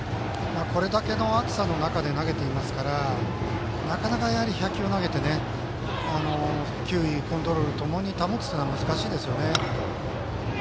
これだけの暑さの中で投げていますからなかなか１００球投げて球威、コントロールともに保つというのは難しいですね。